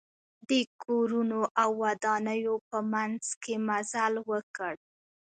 د کورونو او ودانیو په منځ کې مزل وکړ.